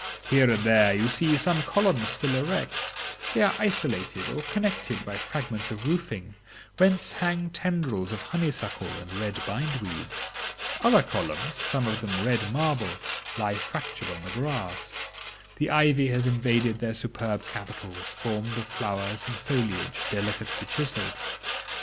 Here and there you see some columns still erect; they are isolated or connected by fragments of roofing, whence hang tendrils of honeysuckle and red bind weeds. Other columns, some of them red marble, lie fractured on the grass. The ivy has invaded their superb capitals, formed of flowers and foliage delicately chiselled.